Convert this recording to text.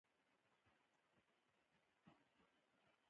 په افغانستان کې د تاریخ په اړه په پوره ډول زده کړه کېږي.